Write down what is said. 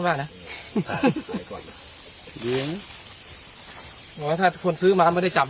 ได้นะวันก่อนแหละนึงนี่โอเคถ้าคนซื้อมาไม่ได้จับ